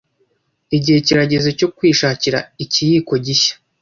igihe kirageze cyo kwishakira ikiyiko gishya